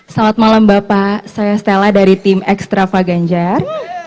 selamat malam bapak saya stella dari tim ekstra faganjar